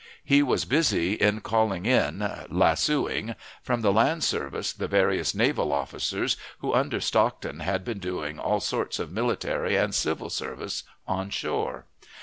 He was busy in calling in "lassooing " from the land service the various naval officers who under Stockton had been doing all sorts of military and civil service on shore.